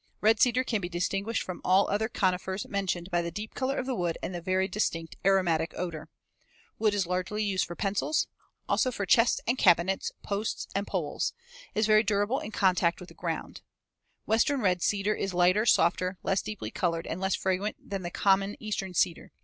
Red cedar can be distinguished from all the other conifers mentioned by the deep color of the wood and the very distinct aromatic odor. Wood largely used for pencils; also for chests and cabinets, posts, and poles. It is very durable in contact with the ground. Western red cedar is lighter, softer, less deeply colored and less fragrant than the common Eastern cedar.